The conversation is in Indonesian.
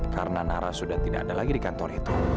karena nara sudah tidak ada lagi di kantor itu